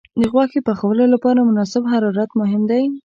د غوښې پخولو لپاره مناسب حرارت مهم دی.